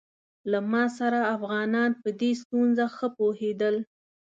له ما سره افغانان په دې ستونزه ښه پوهېدل.